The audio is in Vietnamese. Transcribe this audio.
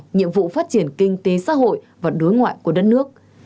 nhiệm vụ phát triển kinh tế xã hội và đối ngoại của đất nước